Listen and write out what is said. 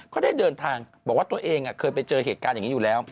ก็ได้เดินทางบอกว่าตัวเองเคยไปเจอเหตุการณ์อย่างนี้อยู่แล้ว